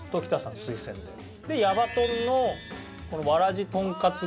で矢場とんのこのわらじとんかつ